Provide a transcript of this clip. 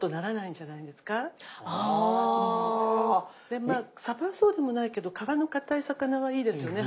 でまあサバはそうでもないけど皮のかたい魚はいいですよね。